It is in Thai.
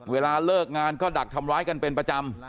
เวลาเลิกงานก็ดักทำร้ายกันเป็นประจำ